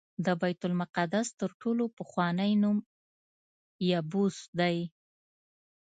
د بیت المقدس تر ټولو پخوانی نوم یبوس دی.